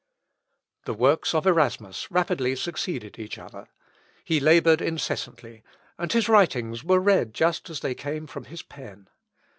The works of Erasmus rapidly succeeded each other. He laboured incessantly, and his writings were read just as they came from his pen.